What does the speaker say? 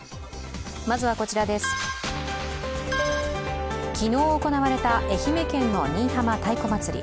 まずはこちら、昨日行われた愛媛県の新居浜太鼓祭り。